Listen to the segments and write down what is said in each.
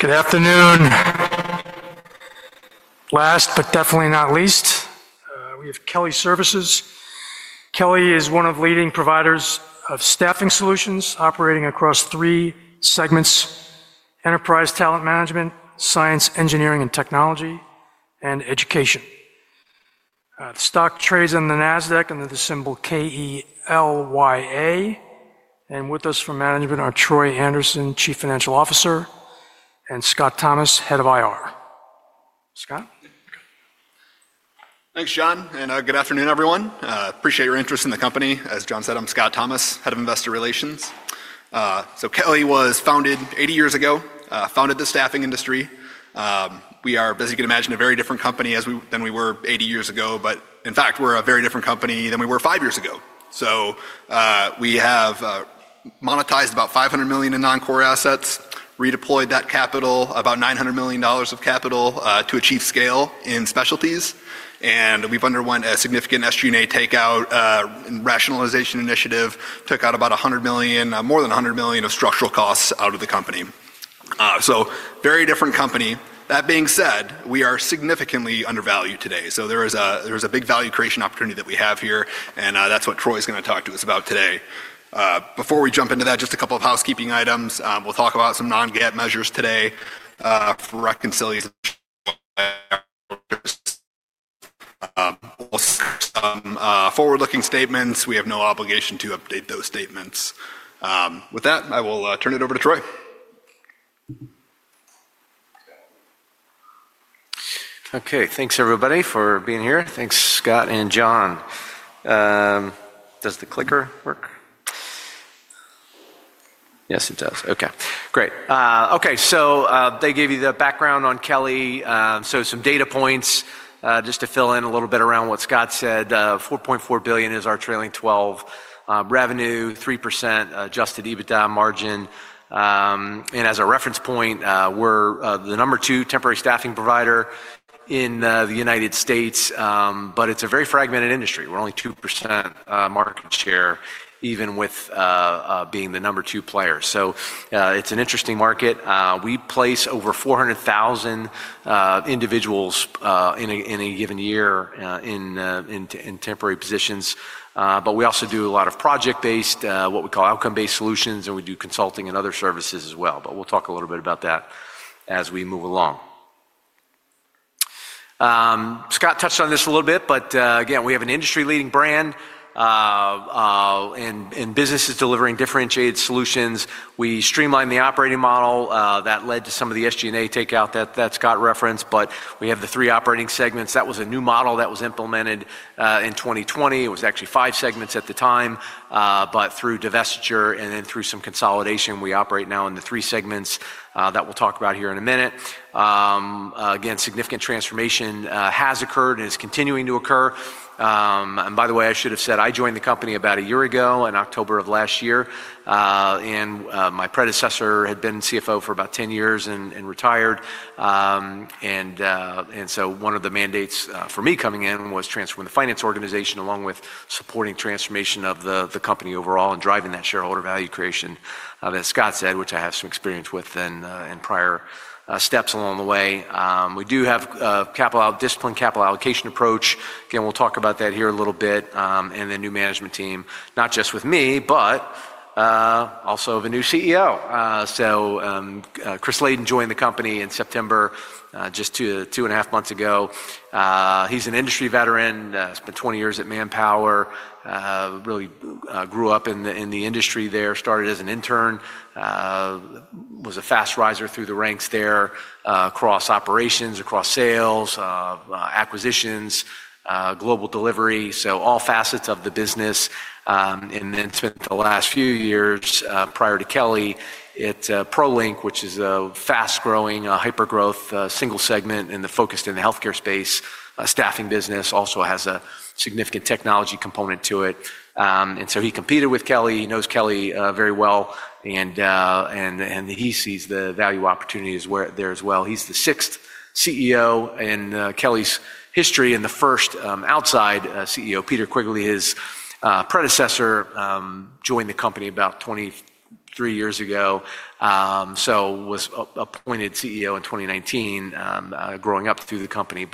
Good afternoon. Last but definitely not least, we have Kelly Services. Kelly is one of the leading providers of staffing solutions operating across three segments: enterprise talent management, science, engineering, and technology, and education. The stock trades on the NASDAQ under the symbol KELYA. With us for management are Troy Anderson, Chief Financial Officer, and Scott Thomas, Head of IR. Scott? Thanks, John. Good afternoon, everyone. Appreciate your interest in the company. As John said, I'm Scott Thomas, Head of Investor Relations. Kelly was founded 80 years ago, founded the staffing industry. We are, as you can imagine, a very different company than we were 80 years ago. In fact, we're a very different company than we were five years ago. We have monetized about $500 million in non-core assets, redeployed that capital, about $900 million of capital to achieve scale in specialties. We've undergone a significant SG&A takeout rationalization initiative, took out about $100 million, more than $100 million of structural costs out of the company. Very different company. That being said, we are significantly undervalued today. There is a big value creation opportunity that we have here. That's what Troy is going to talk to us about today. Before we jump into that, just a couple of housekeeping items. We'll talk about some non-GAAP measures today for reconciliation. We'll see some forward-looking statements. We have no obligation to update those statements. With that, I will turn it over to Troy. Okay. Thanks, everybody, for being here. Thanks, Scott and John. Does the clicker work? Yes, it does. Okay. Great. They gave you the background on Kelly. Some data points just to fill in a little bit around what Scott said. $4.4 billion is our trailing 12 revenue, 3% adjusted EBITDA margin. As a reference point, we're the number two temporary staffing provider in the United States. It's a very fragmented industry. We're only 2% market share, even with being the number two player. It's an interesting market. We place over 400,000 individuals in a given year in temporary positions. We also do a lot of project-based, what we call outcome-based solutions. We do consulting and other services as well. We'll talk a little bit about that as we move along. Scott touched on this a little bit. Again, we have an industry-leading brand and businesses delivering differentiated solutions. We streamlined the operating model. That led to some of the SG&A takeout that Scott referenced. We have the three operating segments. That was a new model that was implemented in 2020. It was actually five segments at the time. Through divestiture and then through some consolidation, we operate now in the three segments that we'll talk about here in a minute. Significant transformation has occurred and is continuing to occur. By the way, I should have said I joined the company about a year ago in October of last year. My predecessor had been CFO for about 10 years and retired. One of the mandates for me coming in was transforming the finance organization along with supporting transformation of the company overall and driving that shareholder value creation that Scott said, which I have some experience with in prior steps along the way. We do have a disciplined capital allocation approach. Again, we'll talk about that here a little bit. The new management team, not just with me, but also the new CEO. Chris Laden joined the company in September just two and a half months ago. He's an industry veteran. He spent 20 years at Manpower. Really grew up in the industry there. Started as an intern. Was a fast riser through the ranks there across operations, across sales, acquisitions, global delivery. All facets of the business. He then spent the last few years prior to Kelly at ProLink, which is a fast-growing, hyper-growth single segment and focused in the healthcare space staffing business. Also has a significant technology component to it. He competed with Kelly. He knows Kelly very well. He sees the value opportunities there as well. He is the sixth CEO in Kelly's history and the first outside CEO. Peter Quigley, his predecessor, joined the company about 23 years ago. He was appointed CEO in 2019, growing up through the company.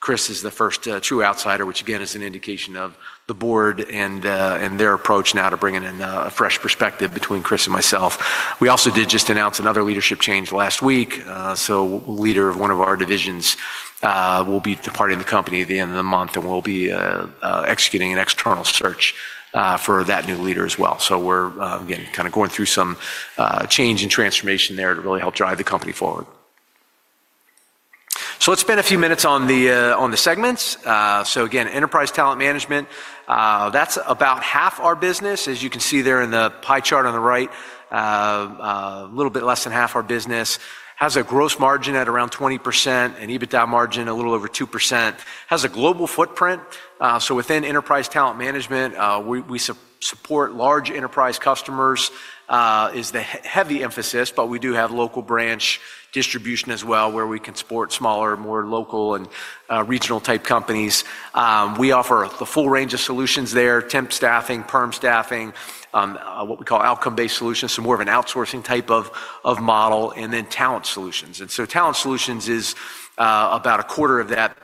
Chris is the first true outsider, which again is an indication of the board and their approach now to bring in a fresh perspective between Chris and myself. We also did just announce another leadership change last week. A leader of one of our divisions will be departing the company at the end of the month. We'll be executing an external search for that new leader as well. We are again kind of going through some change and transformation there to really help drive the company forward. Let's spend a few minutes on the segments. Again, enterprise talent management. That's about half our business, as you can see there in the pie chart on the right. A little bit less than half our business. Has a gross margin at around 20% and EBITDA margin a little over 2%. Has a global footprint. Within enterprise talent management, we support large enterprise customers is the heavy emphasis. We do have local branch distribution as well where we can support smaller, more local and regional type companies. We offer the full range of solutions there: temp staffing, perm staffing, what we call outcome-based solutions, so more of an outsourcing type of model, and then talent solutions. Talent solutions is about a quarter of that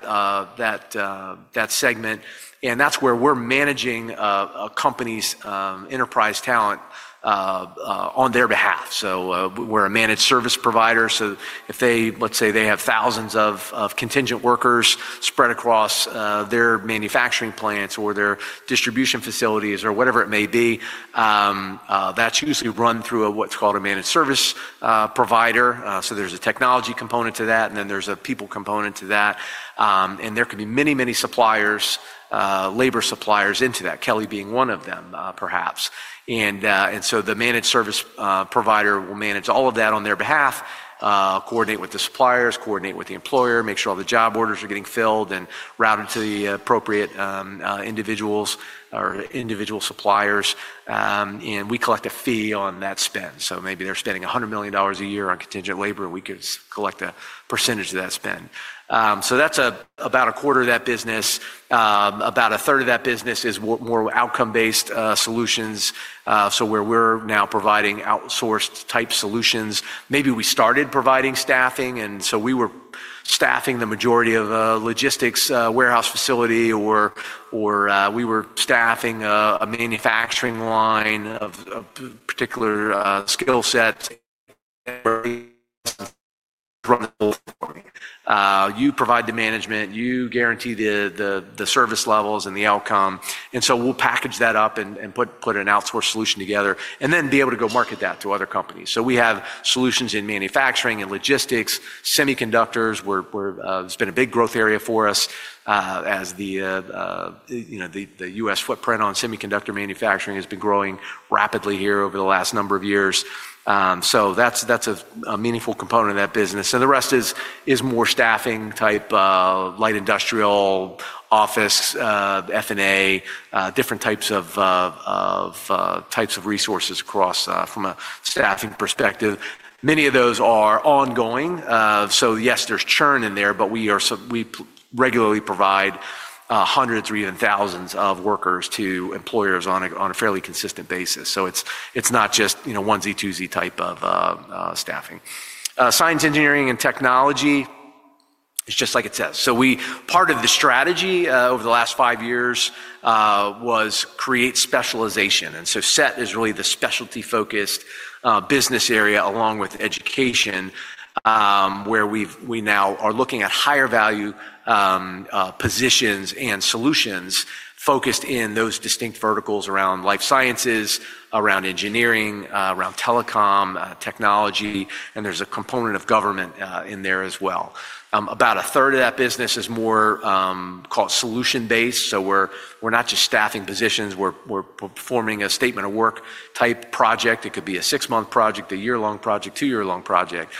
segment. That is where we're managing a company's enterprise talent on their behalf. We are a managed service provider. If they, let's say, have thousands of contingent workers spread across their manufacturing plants or their distribution facilities or whatever it may be, that is usually run through what is called a managed service provider. There is a technology component to that. There is a people component to that. There can be many, many suppliers, labor suppliers into that, Kelly being one of them, perhaps. The managed service provider will manage all of that on their behalf, coordinate with the suppliers, coordinate with the employer, make sure all the job orders are getting filled and routed to the appropriate individuals or individual suppliers. We collect a fee on that spend. Maybe they're spending $100 million a year on contingent labor, and we could collect a percentage of that spend. That's about a quarter of that business. About a third of that business is more outcome-based solutions, where we're now providing outsourced type solutions. Maybe we started providing staffing, and we were staffing the majority of a logistics warehouse facility, or we were staffing a manufacturing line of particular skill sets to run the whole thing. You provide the management. You guarantee the service levels and the outcome. We will package that up and put an outsource solution together and then be able to go market that to other companies. We have solutions in manufacturing and logistics, semiconductors. It has been a big growth area for us as the US footprint on semiconductor manufacturing has been growing rapidly here over the last number of years. That is a meaningful component of that business. The rest is more staffing type light industrial, office, F&A, different types of resources from a staffing perspective. Many of those are ongoing. Yes, there is churn in there. We regularly provide hundreds or even thousands of workers to employers on a fairly consistent basis. It is not just 1Z, 2Z type of staffing. Science, engineering, and technology is just like it says. Part of the strategy over the last five years was create specialization. SET is really the specialty-focused business area along with education where we now are looking at higher value positions and solutions focused in those distinct verticals around life sciences, around engineering, around telecom, technology. There is a component of government in there as well. About a third of that business is more called solution-based. We are not just staffing positions. We are performing a statement of work type project. It could be a six-month project, a year-long project, two-year-long project.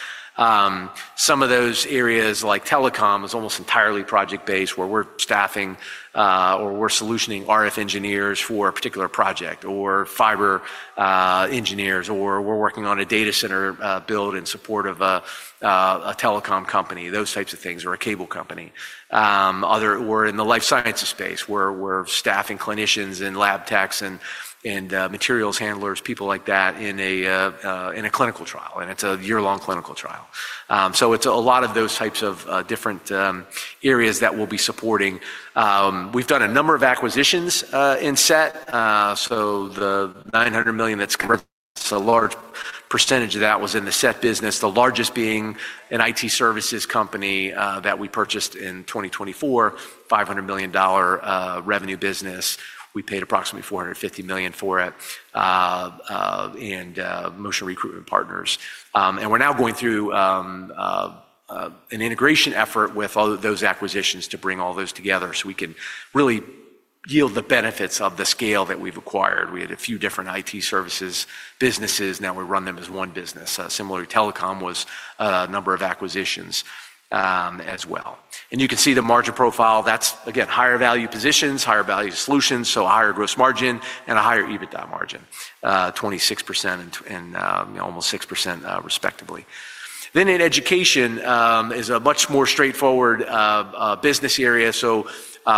Some of those areas like telecom is almost entirely project-based where we are staffing or we are solutioning RF engineers for a particular project or fiber engineers. Or we are working on a data center build in support of a telecom company, those types of things, or a cable company. We're in the life sciences space where we're staffing clinicians and lab techs and materials handlers, people like that, in a clinical trial. It's a year-long clinical trial. It's a lot of those types of different areas that we'll be supporting. We've done a number of acquisitions in SET. The $900 million that's come from us, a large percentage of that was in the SET business, the largest being an IT services company that we purchased in 2024, $500 million revenue business. We paid approximately $450 million for it and Motion Recruitment Partners. We're now going through an integration effort with those acquisitions to bring all those together so we can really yield the benefits of the scale that we've acquired. We had a few different IT services businesses. Now we run them as one business. Similarly, telecom was a number of acquisitions as well. You can see the margin profile. That's, again, higher value positions, higher value solutions, so higher gross margin and a higher EBITDA margin, 26% and almost 6% respectively. In education, it is a much more straightforward business area.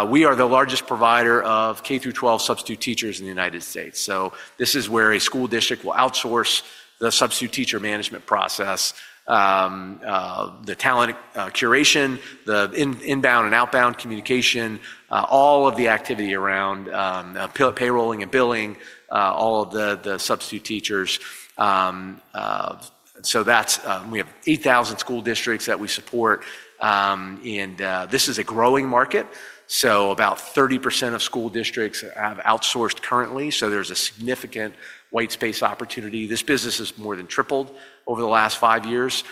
We are the largest provider of K-12 substitute teachers in the United States. This is where a school district will outsource the substitute teacher management process, the talent curation, the inbound and outbound communication, all of the activity around payrolling and billing, all of the substitute teachers. We have 8,000 school districts that we support. This is a growing market. About 30% of school districts have outsourced currently. There is a significant white space opportunity. This business has more than tripled over the last five years,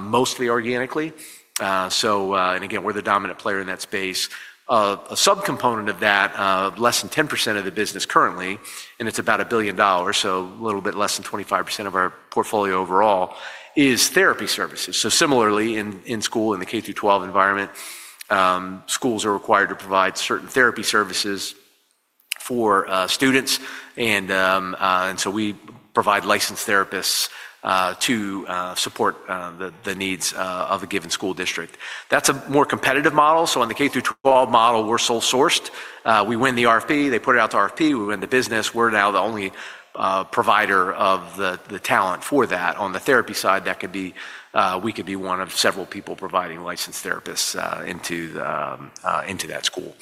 mostly organically. We are the dominant player in that space. A subcomponent of that, less than 10% of the business currently, and it's about $1 billion, so a little bit less than 25% of our portfolio overall, is therapy services. Similarly, in school, in the K-12 environment, schools are required to provide certain therapy services for students. We provide licensed therapists to support the needs of a given school district. That's a more competitive model. On the K-12 model, we're sole sourced. We win the RFP. They put it out to RFP. We win the business. We're now the only provider of the talent for that. On the therapy side, we could be one of several people providing licensed therapists into that school.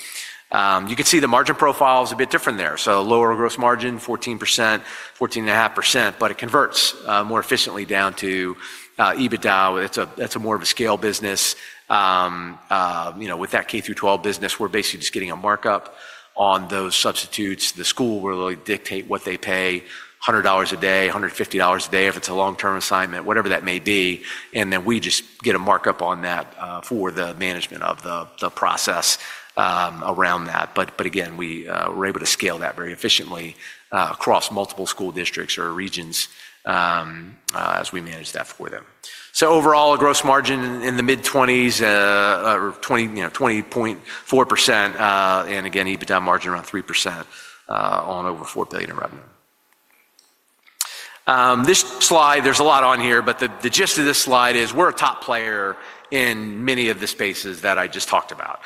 You can see the margin profile is a bit different there. Lower gross margin, 14%-14.5%. It converts more efficiently down to EBITDA. That's more of a scale business. With that K-12 business, we're basically just getting a markup on those substitutes. The school will dictate what they pay, $100 a day, $150 a day if it's a long-term assignment, whatever that may be. We just get a markup on that for the management of the process around that. Again, we were able to scale that very efficiently across multiple school districts or regions as we manage that for them. Overall, a gross margin in the mid-20s, 20.4%. EBITDA margin around 3% on over $4 billion in revenue. This slide, there's a lot on here. The gist of this slide is we're a top player in many of the spaces that I just talked about.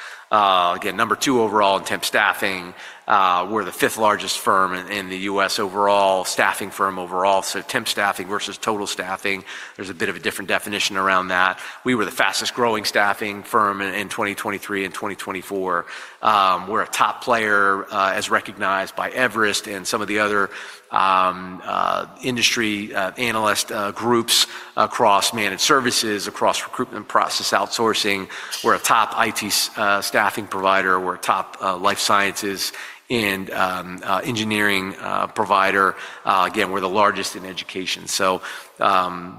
Again, number two overall in temp staffing. We're the fifth largest firm in the US overall, staffing firm overall. Temp staffing versus total staffing, there's a bit of a different definition around that. We were the fastest growing staffing firm in 2023 and 2024. We're a top player as recognized by Everest and some of the other industry analyst groups across managed services, across recruitment process outsourcing. We're a top IT staffing provider. We're a top life sciences and engineering provider. Again, we're the largest in education.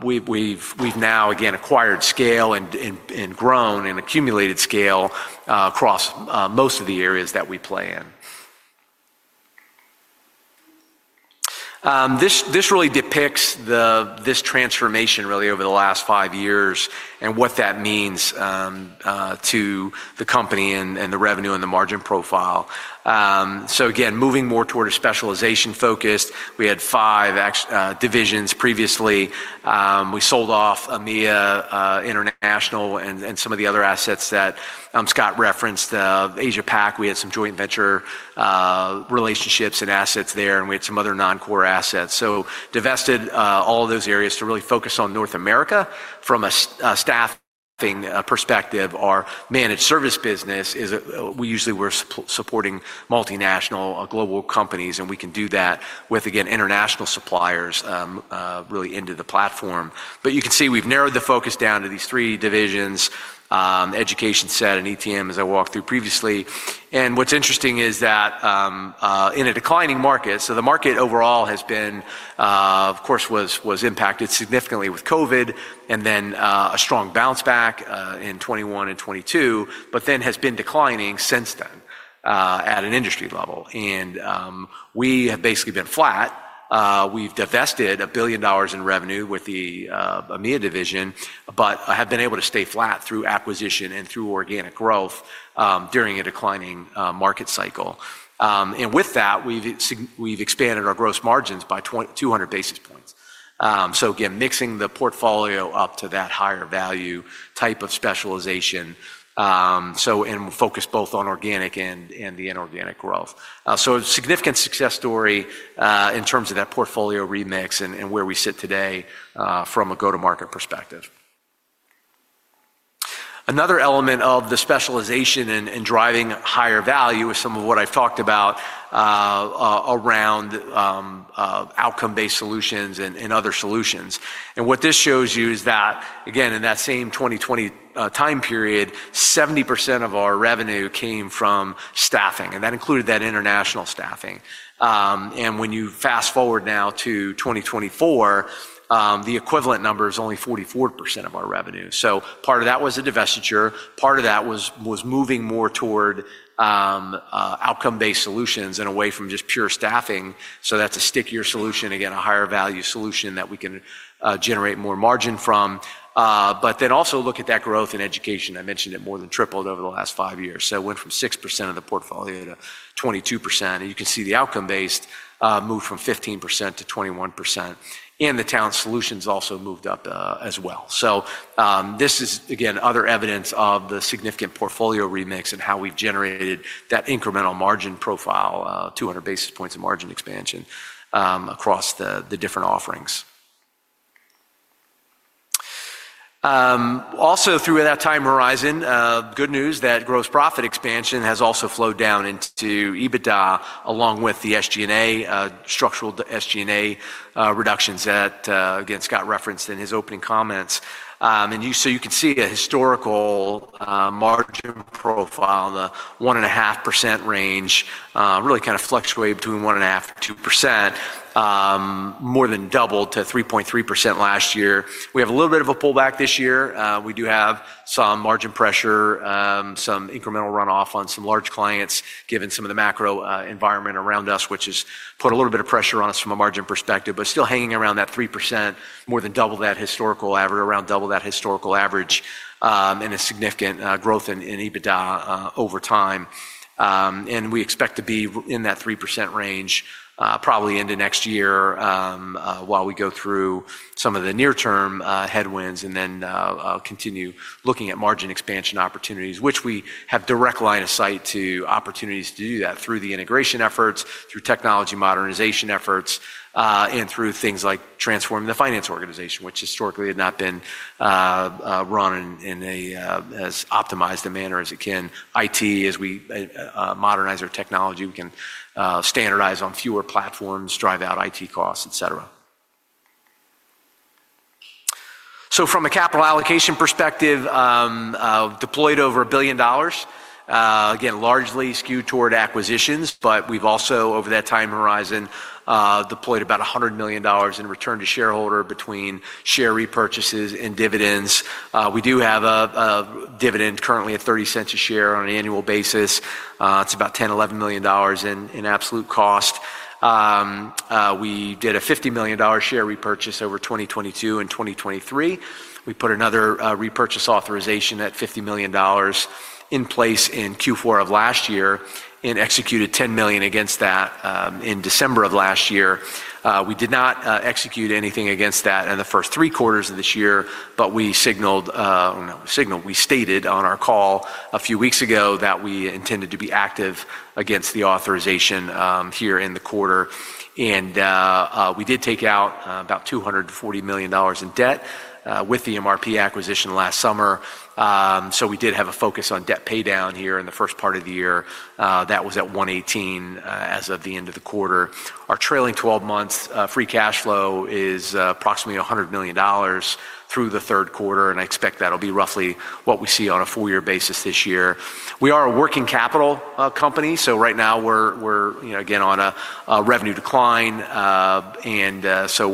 We've now, again, acquired scale and grown and accumulated scale across most of the areas that we play in. This really depicts this transformation really over the last five years and what that means to the company and the revenue and the margin profile. Again, moving more toward a specialization focus. We had five divisions previously. We sold off Amiya International and some of the other assets that Scott referenced, Asia Pac. We had some joint venture relationships and assets there. We had some other non-core assets. Divested all of those areas to really focus on North America. From a staffing perspective, our managed service business is we usually were supporting multinational global companies. We can do that with, again, international suppliers really into the platform. You can see we've narrowed the focus down to these three divisions: education, SET, and ETM, as I walked through previously. What's interesting is that in a declining market, the market overall has been, of course, was impacted significantly with COVID and then a strong bounce back in 2021 and 2022, but then has been declining since then at an industry level. We have basically been flat. We've divested $1 billion in revenue with the Amiya division, but have been able to stay flat through acquisition and through organic growth during a declining market cycle. With that, we've expanded our gross margins by 200 basis points. Again, mixing the portfolio up to that higher value type of specialization and focus both on organic and the inorganic growth. Significant success story in terms of that portfolio remix and where we sit today from a go-to-market perspective. Another element of the specialization and driving higher value is some of what I've talked about around outcome-based solutions and other solutions. What this shows you is that, again, in that same 2020 time period, 70% of our revenue came from staffing. That included that international staffing. When you fast forward now to 2024, the equivalent number is only 44% of our revenue. Part of that was a divestiture. Part of that was moving more toward outcome-based solutions and away from just pure staffing. That is a stickier solution, again, a higher value solution that we can generate more margin from. Also look at that growth in education. I mentioned it more than tripled over the last five years. It went from 6% of the portfolio to 22%. You can see the outcome-based moved from 15% to 21%. The talent solutions also moved up as well. This is, again, other evidence of the significant portfolio remix and how we've generated that incremental margin profile, 200 basis points of margin expansion across the different offerings. Also, through that time horizon, good news that gross profit expansion has also flowed down into EBITDA along with the SG&A, structural SG&A reductions that, again, Scott referenced in his opening comments. You can see a historical margin profile, the 1.5% range, really kind of fluctuating between 1.5% and 2%, more than doubled to 3.3% last year. We have a little bit of a pullback this year. We do have some margin pressure, some incremental runoff on some large clients given some of the macro environment around us, which has put a little bit of pressure on us from a margin perspective, but still hanging around that 3%, more than double that historical average, around double that historical average, and a significant growth in EBITDA over time. We expect to be in that 3% range probably into next year while we go through some of the near-term headwinds and then continue looking at margin expansion opportunities, which we have direct line of sight to opportunities to do that through the integration efforts, through technology modernization efforts, and through things like transforming the finance organization, which historically had not been run in as optimized a manner as it can. IT, as we modernize our technology, we can standardize on fewer platforms, drive out IT costs, etc. From a capital allocation perspective, deployed over $1 billion, again, largely skewed toward acquisitions. We have also, over that time horizon, deployed about $100 million in return to shareholder between share repurchases and dividends. We do have a dividend currently at $0.30 a share on an annual basis. It is about $10-$11 million in absolute cost. We did a $50 million share repurchase over 2022 and 2023. We put another repurchase authorization at $50 million in place in Q4 of last year and executed $10 million against that in December of last year. We did not execute anything against that in the first three quarters of this year, but we signaled, we stated on our call a few weeks ago that we intended to be active against the authorization here in the quarter. We did take out about $240 million in debt with the MRP acquisition last summer. We did have a focus on debt paydown here in the first part of the year. That was at $118 million as of the end of the quarter. Our trailing 12 months free cash flow is approximately $100 million through the third quarter. I expect that'll be roughly what we see on a four-year basis this year. We are a working capital company. Right now, we're, again, on a revenue decline.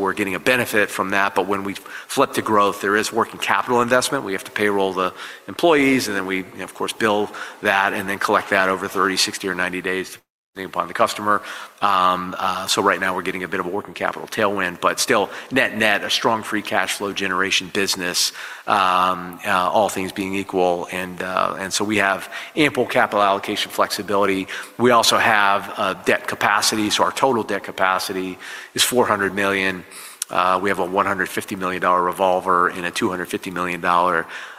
We're getting a benefit from that. When we flip to growth, there is working capital investment. We have to payroll the employees. We, of course, bill that and then collect that over 30, 60, or 90 days depending upon the customer. Right now, we're getting a bit of a working capital tailwind, but still net-net, a strong free cash flow generation business, all things being equal. We have ample capital allocation flexibility. We also have debt capacity. Our total debt capacity is $400 million. We have a $150 million revolver and a $250 million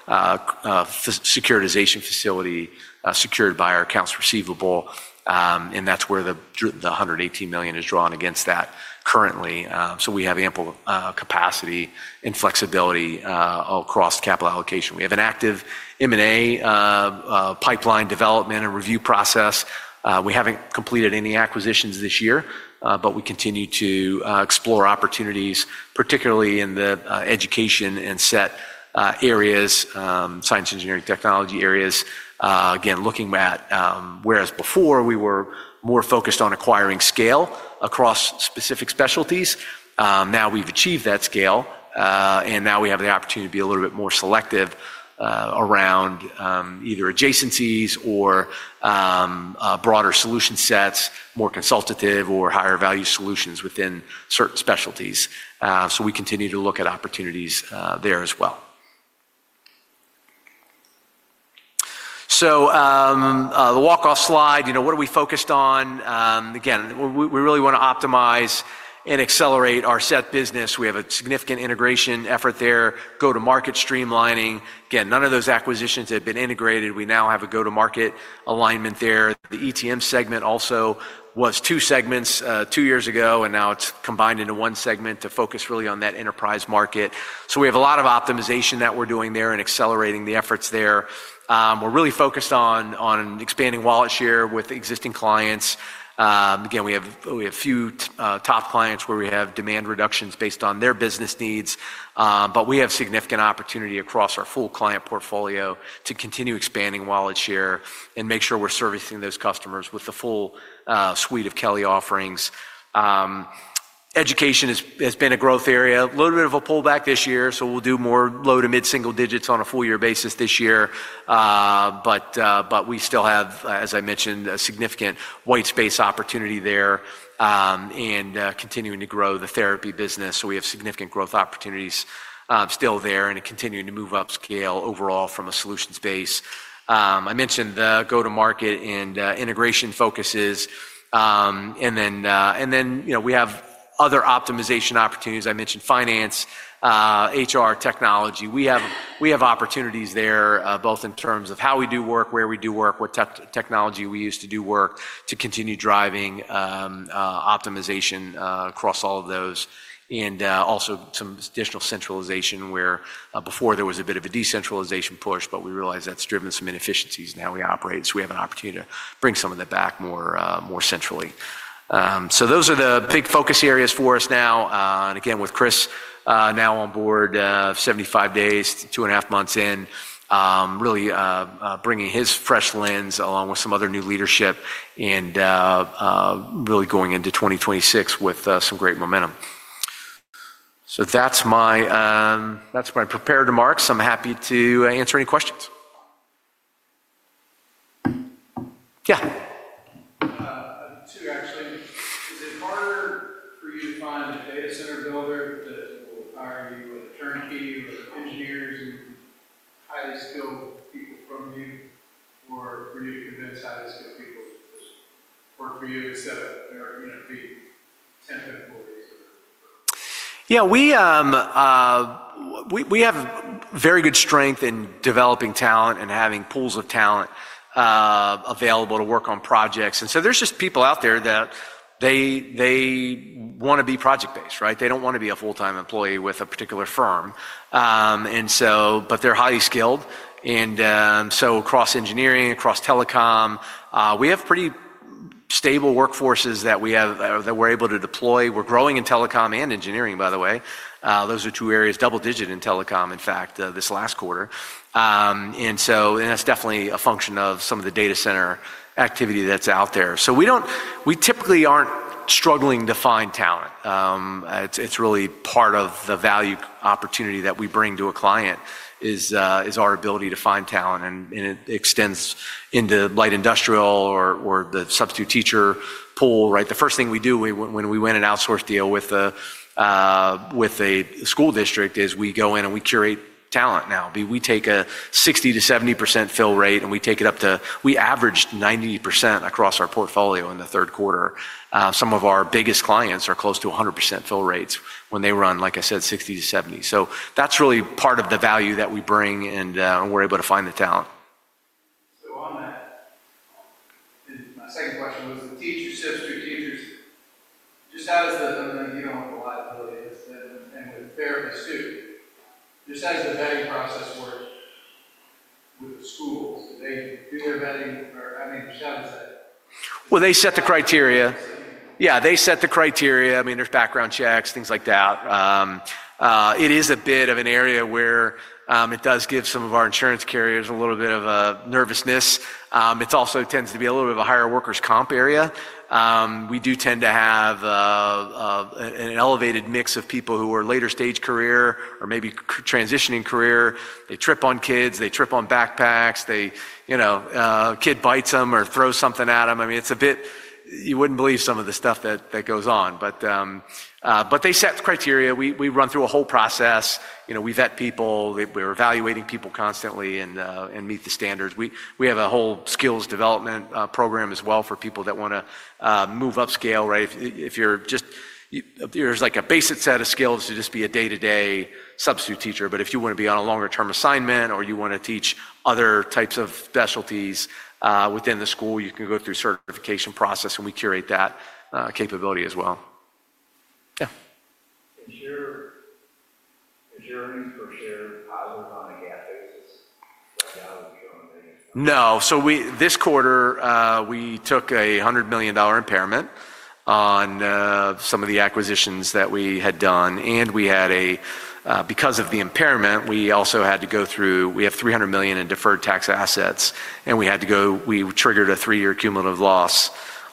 securitization facility secured by our accounts receivable. That's where the $118 million is drawn against that currently. We have ample capacity and flexibility across capital allocation. We have an active M&A pipeline development and review process. We haven't completed any acquisitions this year, but we continue to explore opportunities, particularly in the education and SET areas, science, engineering, technology areas, again, looking at whereas before we were more focused on acquiring scale across specific specialties. Now we've achieved that scale. Now we have the opportunity to be a little bit more selective around either adjacencies or broader solution sets, more consultative or higher value solutions within certain specialties. We continue to look at opportunities there as well. The walk-off slide, what are we focused on? Again, we really want to optimize and accelerate our SET business. We have a significant integration effort there, go-to-market streamlining. Again, none of those acquisitions have been integrated. We now have a go-to-market alignment there. The ETM segment also was two segments two years ago, and now it's combined into one segment to focus really on that enterprise market. We have a lot of optimization that we're doing there and accelerating the efforts there. We're really focused on expanding wallet share with existing clients. Again, we have a few top clients where we have demand reductions based on their business needs. We have significant opportunity across our full client portfolio to continue expanding wallet share and make sure we're servicing those customers with the full suite of Kelly offerings. Education has been a growth area, a little bit of a pullback this year. We'll do more low to mid-single digits on a four-year basis this year. We still have, as I mentioned, a significant white space opportunity there and continuing to grow the therapy business. We have significant growth opportunities still there and continuing to move up scale overall from a solutions base. I mentioned the go-to-market and integration focuses. We have other optimization opportunities. I mentioned finance, HR, technology. We have opportunities there both in terms of how we do work, where we do work, what technology we use to do work to continue driving optimization across all of those, and also some additional centralization where before there was a bit of a decentralization push, but we realize that's driven some inefficiencies in how we operate. We have an opportunity to bring some of that back more centrally. Those are the big focus areas for us now. Again, with Chris now on board, 75 days, two and a half months in, really bringing his fresh lens along with some other new leadership and really going into 2026 with some great momentum. That is my prepare to mark. I am happy to answer any questions. Yeah. Two, actually. Is it harder for you to find a data center builder that will hire you with a turnkey or engineers and highly skilled people from you or for you to convince highly skilled people to just work for you instead of being temp employees? Yeah. We have very good strength in developing talent and having pools of talent available to work on projects. There are just people out there that want to be project-based, right? They do not want to be a full-time employee with a particular firm. They are highly skilled. Across engineering, across telecom, we have pretty stable workforces that we're able to deploy. We're growing in telecom and engineering, by the way. Those are two areas, double-digit in telecom, in fact, this last quarter. That's definitely a function of some of the data center activity that's out there. We typically aren't struggling to find talent. It's really part of the value opportunity that we bring to a client is our ability to find talent. It extends into light industrial or the substitute teacher pool, right? The first thing we do when we win an outsource deal with a school district is we go in and we curate talent. We take a 60-70% fill rate, and we take it up to we averaged 90% across our portfolio in the third quarter. Some of our biggest clients are close to 100% fill rates when they run, like I said, 60 to 70. That is really part of the value that we bring and we're able to find the talent. On that, my second question was the teacher sits through teachers. Just how does the reliability and with therapy students, just how does the vetting process work with the schools? Do they do their vetting or, I mean, just how does that? They set the criteria. Yeah, they set the criteria. I mean, there's background checks, things like that. It is a bit of an area where it does give some of our insurance carriers a little bit of nervousness. It also tends to be a little bit of a higher workers' comp area. We do tend to have an elevated mix of people who are later stage career or maybe transitioning career. They trip on kids. They trip on backpacks. Kid bites them or throws something at them. I mean, it's a bit you wouldn't believe some of the stuff that goes on. They set criteria. We run through a whole process. We vet people. We're evaluating people constantly and meet the standards. We have a whole skills development program as well for people that want to move up scale, right? If you're just there's like a basic set of skills to just be a day-to-day substitute teacher. If you want to be on a longer-term assignment or you want to teach other types of specialties within the school, you can go through certification process, and we curate that capability as well. Yeah. Is your earnings per share positive on a GAAP basis? Right now, we're showing negative positive. No. This quarter, we took a $100 million impairment on some of the acquisitions that we had done. Because of the impairment, we also had to go through, we have $300 million in deferred tax assets. We triggered a three-year cumulative loss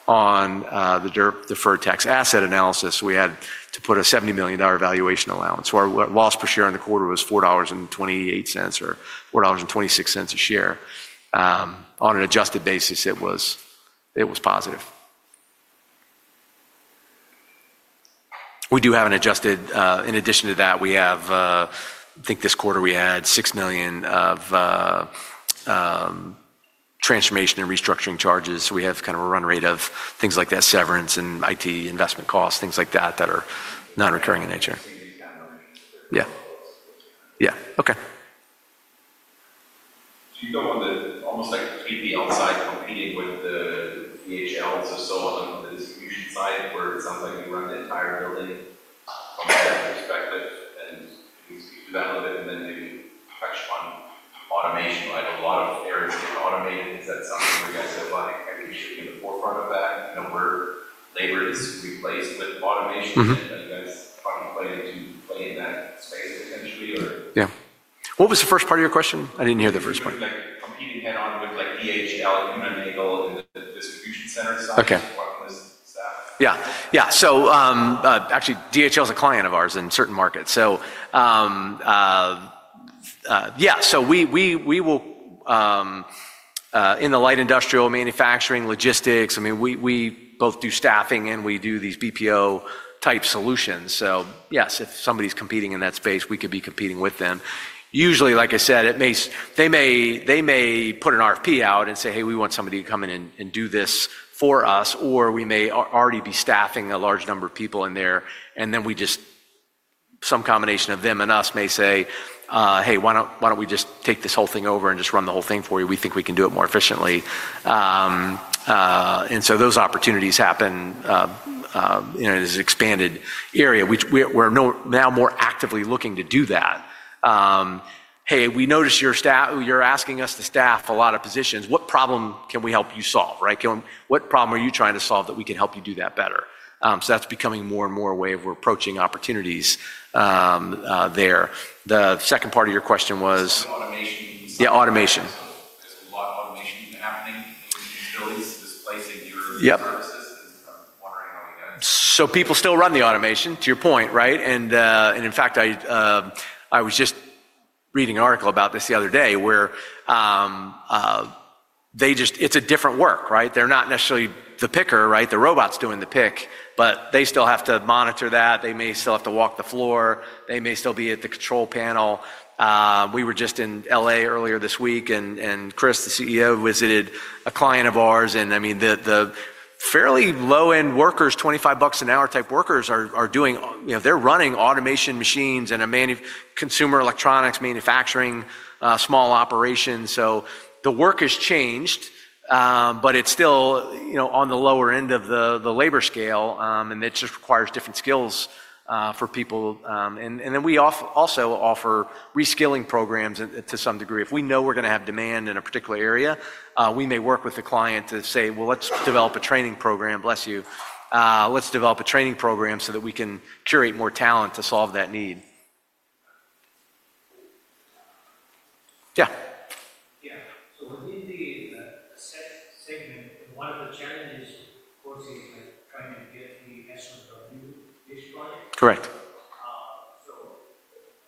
on the deferred tax asset analysis. We had to put a $70 million valuation allowance. Our loss per share in the quarter was $4.28 or $4.26 a share. On an adjusted basis, it was positive. We do have an adjusted, in addition to that, we have, I think this quarter we had $6 million of transformation and restructuring charges. We have kind of a run rate of things like that, severance and IT investment costs, things like that that are non-recurring in nature. Yeah. Yeah. Okay. Do you go on the almost like completely outside competing with the DHLs or so on the distribution side where it sounds like you run the entire building from a staff perspective? Can you speak to that a little bit and then maybe touch on automation? A lot of areas get automated. Is that something where you guys have been in the forefront of that where labor is replaced with automation? Are you guys trying to play into playing that space, essentially, or? Yeah. What was the first part of your question? I didn't hear the first part. Competing head-on with DHL, Unanegal, and the distribution center side? Okay. Yeah. Yeah. Actually, DHL is a client of ours in certain markets. Yeah. We will in the light industrial, manufacturing, logistics, I mean, we both do staffing, and we do these BPO-type solutions. Yes, if somebody's competing in that space, we could be competing with them. Usually, like I said, they may put an RFP out and say, "Hey, we want somebody to come in and do this for us," or we may already be staffing a large number of people in there. We just, some combination of them and us, may say, "Hey, why don't we just take this whole thing over and just run the whole thing for you? We think we can do it more efficiently." Those opportunities happen in an expanded area. We're now more actively looking to do that. "Hey, we noticed you're asking us to staff a lot of positions. What problem can we help you solve, right? What problem are you trying to solve that we can help you do that better? That's becoming more and more a way of approaching opportunities there. The second part of your question was automation. Yeah, automation. There's a lot of automation happening in utilities displacing your services. I'm wondering how you guys— so people still run the automation, to your point, right? In fact, I was just reading an article about this the other day where it's a different work, right? They're not necessarily the picker, right? The robot's doing the pick, but they still have to monitor that. They may still have to walk the floor. They may still be at the control panel. We were just in Los Angeles earlier this week, and Chris, the CEO, visited a client of ours. I mean, the fairly low-end workers, $25 an hour type workers, are doing—they're running automation machines and consumer electronics manufacturing small operations. The work has changed, but it's still on the lower end of the labor scale, and it just requires different skills for people. We also offer reskilling programs to some degree. If we know we're going to have demand in a particular area, we may work with the client to say, "Let's develop a training program, bless you. Let's develop a training program so that we can curate more talent to solve that need." Yeah. Yeah. Within the SET segment, one of the challenges for you is trying to get the SOW-ish product. Correct.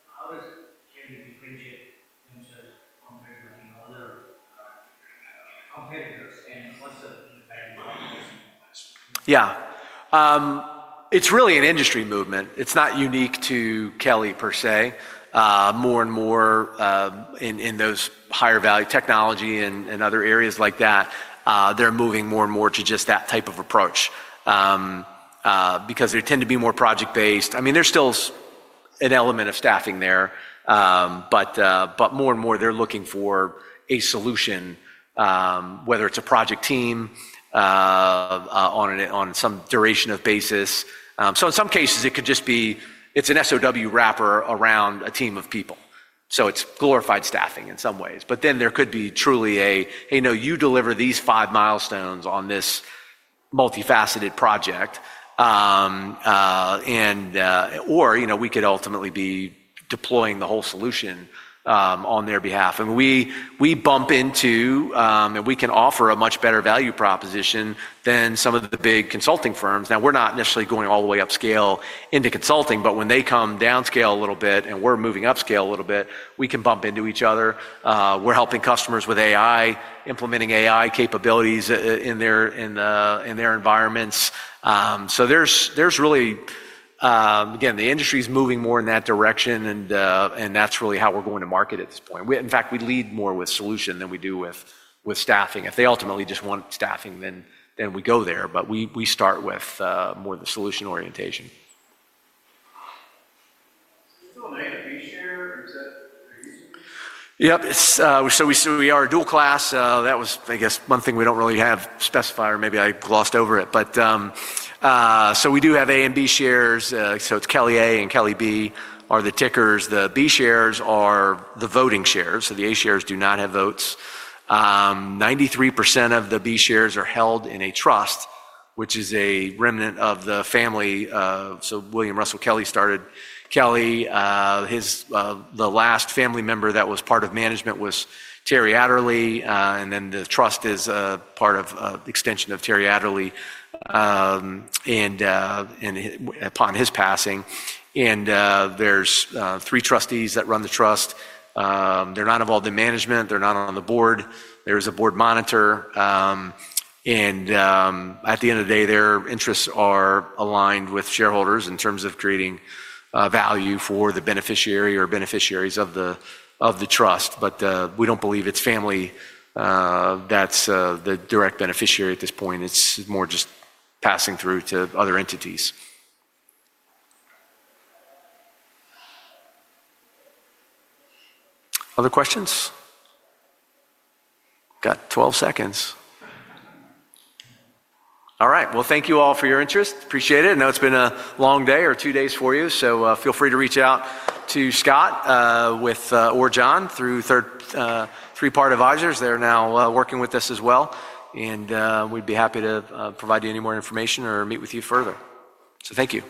How is it going to be printed compared to the other competitors? What's the value of this? Yeah. It's really an industry movement. It's not unique to Kelly per se. More and more in those higher value technology and other areas like that, they're moving more and more to just that type of approach because there tend to be more project-based. I mean, there's still an element of staffing there, but more and more they're looking for a solution, whether it's a project team on some duration of basis. In some cases, it could just be it's an SOW wrapper around a team of people. It's glorified staffing in some ways. There could be truly a, "Hey, no, you deliver these five milestones on this multifaceted project," or we could ultimately be deploying the whole solution on their behalf. We bump into, and we can offer a much better value proposition than some of the big consulting firms. Now, we're not necessarily going all the way upscale into consulting, but when they come downscale a little bit and we're moving upscale a little bit, we can bump into each other. We're helping customers with AI, implementing AI capabilities in their environments. The industry is moving more in that direction, and that's really how we're going to market at this point. In fact, we lead more with solution than we do with staffing. If they ultimately just want staffing, then we go there. We start with more of the solution orientation. Is this all A and B share or is that their user? Yep. We are a dual class. That was, I guess, one thing we don't really have specified, or maybe I glossed over it. We do have A and B shares. It's Kelly A and Kelly B are the tickers. The B shares are the voting shares. The A shares do not have votes. 93% of the B shares are held in a trust, which is a remnant of the family. William Russell Kelly started Kelly. The last family member that was part of management was Terry Adderley. The trust is part of extension of Terry Adderley upon his passing. There are three trustees that run the trust. They're not involved in management. They're not on the board. There is a board monitor. At the end of the day, their interests are aligned with shareholders in terms of creating value for the beneficiary or beneficiaries of the trust. We don't believe it's family that's the direct beneficiary at this point. It's more just passing through to other entities. Other questions? Got 12 seconds. All right. Thank you all for your interest. Appreciate it. I know it's been a long day or two days for you. Feel free to reach out to Scott or John through Three Part Advisors. They're now working with us as well. We'd be happy to provide you any more information or meet with you further. Thank you.